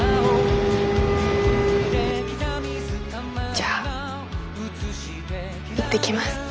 じゃあ行ってきます。